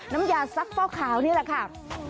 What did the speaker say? น้ำยาซักฟอกขาวนี่แหละค่ะ